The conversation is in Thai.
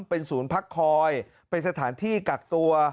เป็นภาคคอยเป็นสถานที่กัดตัว